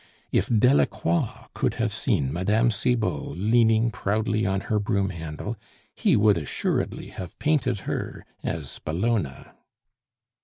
If Delacroix could have seen Mme. Cibot leaning proudly on her broom handle, he would assuredly have painted her as Bellona.